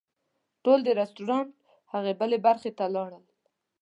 ټول د رسټورانټ هغې برخې ته لاړل.